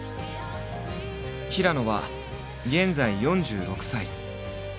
平野は現在４６歳。